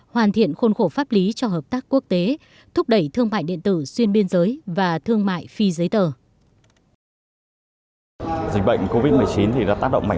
hoàn thiện khôn khổ pháp lý cho hợp tác quốc tế thúc đẩy thương mại điện tử xuyên biên giới và thương mại phi giấy tờ